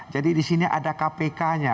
jadi disini ada kpk nya